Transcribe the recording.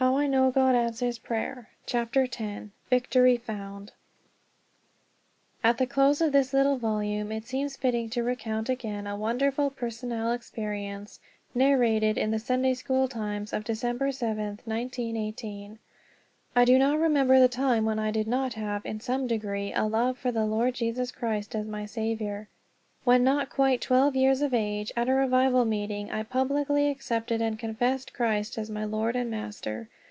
Lack of love and mercy. Prov. 21:13. X VICTORY FOUND AT THE close of this little volume it seems fitting to recount again a wonderful personal experience, narrated in The Sunday School Times of December 7, 1918. I do not remember the time when I did not have in some degree a love for the Lord Jesus Christ as my Saviour. When not quite twelve years of age, at a revival meeting, I publicly accepted and confessed Christ as my Lord and Master.